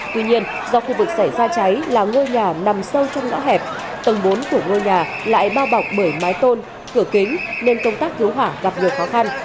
tuy nhiên do khu vực xảy ra cháy là ngôi nhà nằm sâu trong ngõ hẹp tầng bốn của ngôi nhà lại bao bọc bởi mái tôn cửa kính nên công tác cứu hỏa gặp nhiều khó khăn